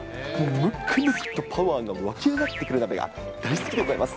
むくむくとパワーが湧き上がってくる鍋が大好きでございます。